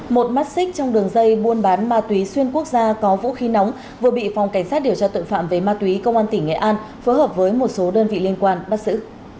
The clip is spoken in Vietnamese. một mắt xích trong đường dây buôn bán ma túy xuyên quốc gia có vũ khí nóng vừa bị phòng cảnh sát điều tra tội phạm về ma túy công an tỉnh nghệ an phối hợp với một số đơn vị liên quan bắt xử